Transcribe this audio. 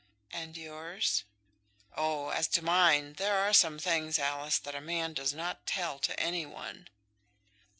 "And yours?" "Oh, as to mine; there are some things, Alice, that a man does not tell to any one."